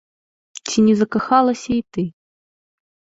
Ці не закахалася і ты?